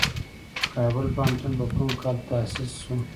کابل پوهنتون په کوم کال تاسیس شو؟